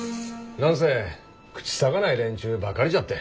何せ口さがない連中ばかりじゃって。